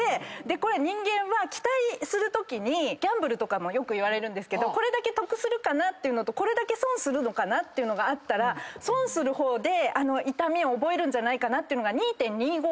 これ人間は期待するときにギャンブルとかもよくいわれるんですけどこれだけ得するかなというのと損するのかなっていうのがあったら損する方で痛みを覚えるんじゃないかなっていうのが。